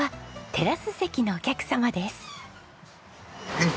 うん。